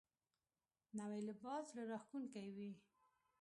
نوی لباس زړه راښکونکی وي